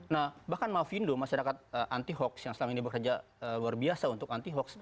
nah bahkan maafin dong masyarakat anti huk yang selama ini bekerja luar biasa untuk anti huk